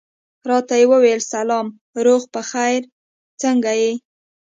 راته یې وویل سلام، روغ په خیر، څنګه یې؟